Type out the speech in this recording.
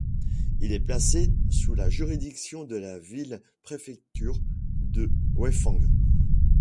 Il est placé sous la juridiction de la ville-préfecture de Weifang.